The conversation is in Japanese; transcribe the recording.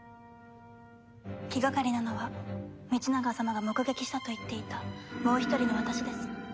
気がかりなのは道長様が目撃したと言っていたもう一人の私です。